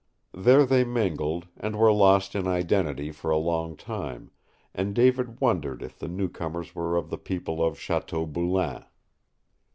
There they mingled and were lost in identity for a long time, and David wondered if the newcomers were of the people of Chateau Boulain.